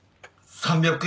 ３００円？